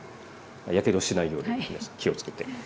やけどしないように皆さん気をつけて。